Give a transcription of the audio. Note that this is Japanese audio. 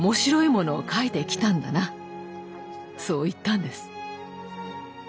そう言ったんです。